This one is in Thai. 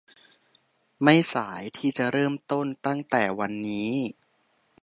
ไม่สายที่จะเริ่มต้นตั้งแต่วันนี้